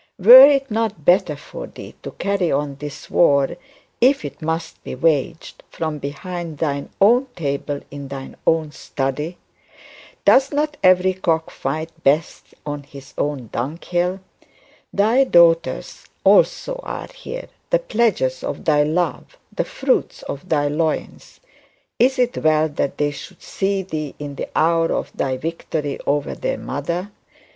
Were it not better for thee to carry on this war, if it must be waged, from behind thine own table in thine own study? Does not every cock fight best on is own dunghill? Thy daughters also are here, the pledges of thy love, the fruits of thy loins; is it well that they should see thee in the hour of thy victory over their mother?